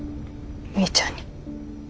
みーちゃんに。